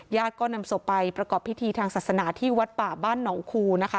ก็นำศพไปประกอบพิธีทางศาสนาที่วัดป่าบ้านหนองคูนะคะ